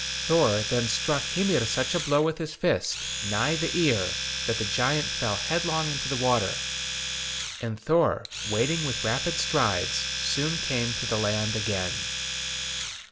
Thor then struck Hymir such a blow with his fist, nigh the ear, that the giant fell headlong into the water, and Thor, wading with rapid strides, soon came to the land again."